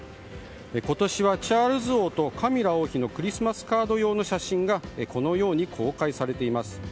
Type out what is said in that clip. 今年はチャールズ王とカミラ王妃のクリスマスカード用の写真がこのように公開されています。